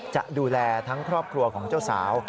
จะดูแลทั้งครอบครัวของเจ้าสาว